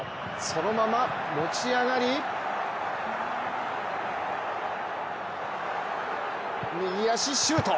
そのまま持ち上がり右足シュート！